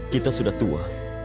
kita sudah tua